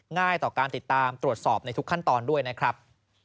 ง่ายต่อการติดตามตรวจสอบในทุกขั้นตอนด้วยนะครับ